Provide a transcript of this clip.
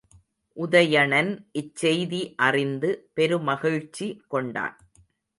உதயணன் இச் செய்தி அறிந்து பெருமகிழ்ச்சி கொண்டான்.